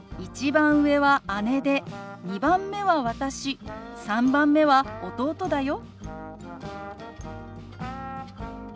１番上は姉で２番目は私３番目は弟だよ。